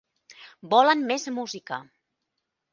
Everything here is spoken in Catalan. Volen més música.